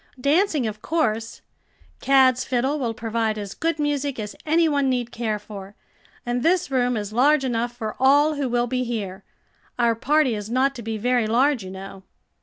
"Dancing, of course. Cad's fiddle will provide as good music as any one need care for, and this room is large enough for all who will be here. Our party is not to be very large, you know."